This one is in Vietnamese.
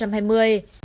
bầu cử hai nghìn hai mươi